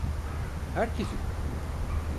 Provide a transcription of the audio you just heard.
Herkesin…